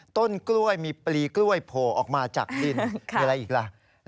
ต้นกล้วยมีปลีกล้วยโผล่ออกมาจากดินมีอะไรอีกล่ะ